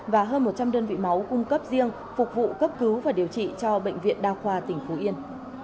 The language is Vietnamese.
và hơn một trăm linh đơn vị máu cung cấp riêng phục vụ cấp cứu và điều trị cho bệnh viện đa khoa tỉnh phú yên